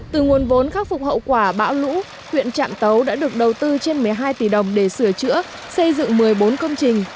từ nguồn vốn khắc phục hậu quả bão lũ huyện trạm tấu đã được đầu tư trên một mươi hai tỷ đồng để sửa chữa xây dựng một mươi bốn công trình